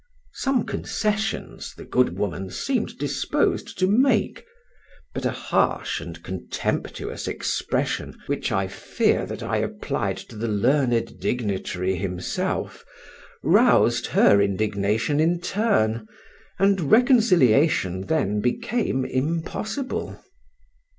Some concessions the good woman seemed disposed to make; but a harsh and contemptuous expression, which I fear that I applied to the learned dignitary himself, roused her indignation in turn, and reconciliation then became impossible.